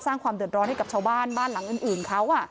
สร้างความเดือดร้อนให้กับชาวบ้านบ้านหลังอื่นเขา